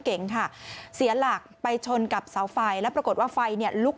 เก๋งค่ะเสียหลักไปชนกับเสาไฟแล้วปรากฏว่าไฟเนี่ยลุก